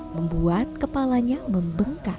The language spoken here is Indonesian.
membuat kepalanya membengkat